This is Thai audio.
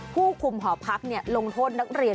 ผู้คุมหอพักลงโทษนักเรียน